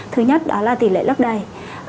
thứ nhất đó là tỷ lệ lấp đầy